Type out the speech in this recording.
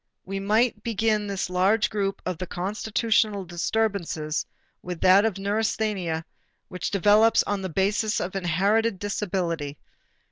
We might begin this large group of the constitutional disturbances with that neurasthenia which develops on the basis of inherited disability.